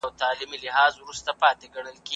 هغه د تېروتنو مخه ونیوله.